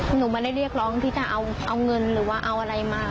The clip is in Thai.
หนูไม่ได้เรียกร้องที่จะเอาเงินหรือว่าเอาอะไรมา